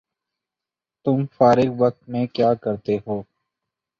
تم فارغ وقت میں کیاکرتےہو؟